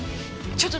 ちょっと！